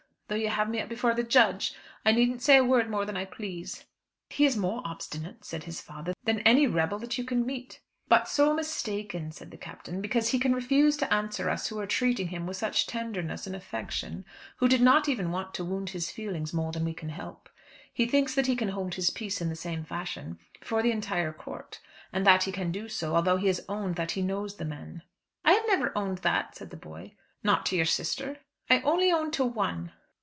Though you have me up before the judge, I needn't say a word more than I please." "He is more obstinate," said his father, "than any rebel that you can meet." "But so mistaken," said the Captain, "because he can refuse to answer us who are treating him with such tenderness and affection, who did not even want to wound his feelings more than we can help, he thinks that he can hold his peace in the same fashion, before the entire court; and that he can do so, although he has owned that he knows the men." "I have never owned that," said the boy. "Not to your sister?" "I only owned to one."